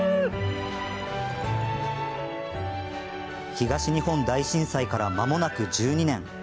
東日本大震災からまもなく１２年。